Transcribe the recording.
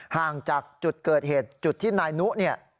ห่างจากจุดเกิดเหตุจุดที่นายนุเนี่ย